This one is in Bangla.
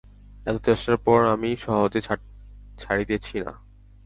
এত চেষ্টার পর আমি সহজে ছাড়িতেছি না।